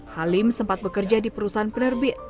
halim sempat bekerja di perusahaan penerbit